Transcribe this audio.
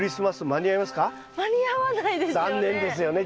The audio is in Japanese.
間に合わないですよね。